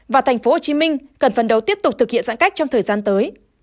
và tp hcm cần phân đấu tiếp tục thực hiện giãn cách trong thời gian tới